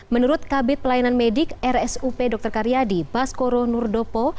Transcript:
menurut kabit pelayanan medik rsup dr karyadi baskoro nurdopo